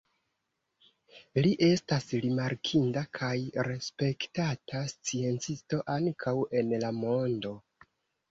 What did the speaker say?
Li estas rimarkinda kaj respektata sciencisto ankaŭ en la mondo.